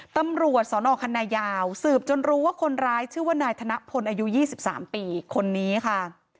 ตำรวจสนคันนายาวสืบจนรู้ว่าคนร้ายชื่อว่านายธนพลอายุ๒๓ปีคนนี้ค่ะ